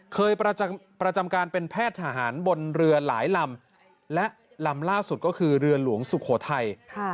เคยประจำการเป็นแพทย์ทหารบนเรือหลายลำและลำล่าสุดก็คือเรือหลวงสุโขทัย